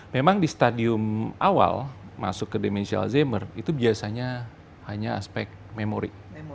memang di stadium awal masuk ke demensial alzheimer itu biasanya hanya aspek memori